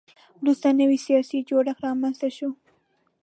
وروسته نوی سیاسي جوړښت رامنځته شو